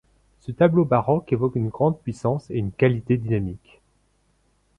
Ce tableau baroque évoque une grande puissance et une qualité dynamique.